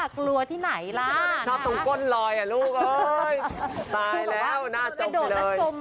กลัวที่ไหนล่ะชอบตรงก้นลอยอ่ะลูกเอ้ยตายแล้วหน้าจมเลย